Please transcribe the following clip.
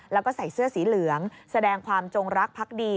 แล้วก็ใส่เสื้อสีเหลืองแสดงความจงรักพักดี